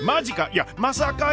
いやまさかやー！